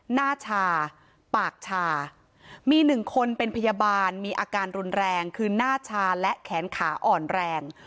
หน้าชาปากชามีหนึ่งคนเป็นพยาบาลมีอาการรุนแรงคือหน้าชาและแขนขาอ่อนแรง